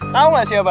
tau gak siapa